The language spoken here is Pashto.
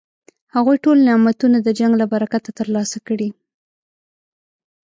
هغوی ټول نعمتونه د جنګ له برکته ترلاسه کړي.